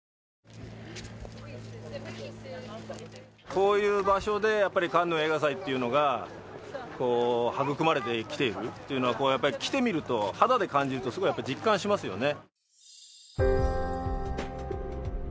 こういう場所でやっぱりカンヌ映画祭っていうのがこう育まれてきているっていうのはこう来てみると肌で感じるとすごいやっぱり実感しますよね